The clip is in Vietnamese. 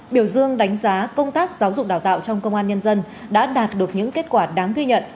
biểu dương đánh giá công tác giáo dục đào tạo trong công an nhân dân đã đạt được những kết quả đáng ghi nhận